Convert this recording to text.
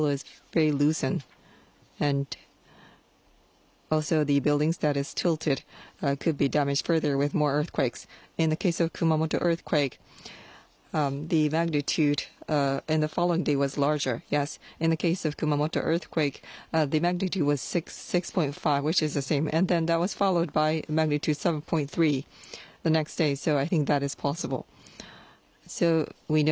そうですね。